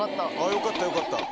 よかったよかった。